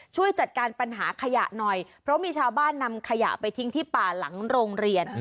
ช่วยจัดการปัญหาขยะหน่อยเพราะมีชาวบ้านนำขยะไปทิ้งที่ป่าหลังโรงเรียน